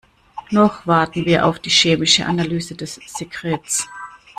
Noch warten wir auf die chemische Analyse des Sekrets.